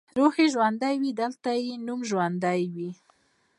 روح یې ژوندی وي او دلته یې نوم ژوندی وي.